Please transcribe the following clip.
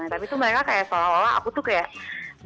tapi itu mereka kayak seolah olah aku tuh kayak bukan ibu